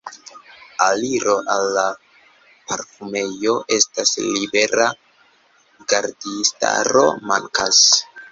Aliro al la parkumejo estas libera, gardistaro mankas.